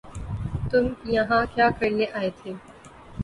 تم یہاں کیا کرنے آئے تھے